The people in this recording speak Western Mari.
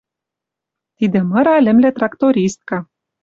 Тидӹ мыра лӹмлӹ трактористка